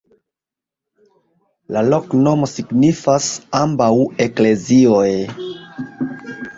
La loknomo signifas: ambaŭ eklezioj.